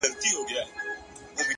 صبر د وخت له حکمت سره مل وي!